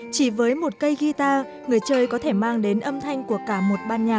chỉ với một cây guitar người chơi có thể mang đến âm thanh của cả một ban nhà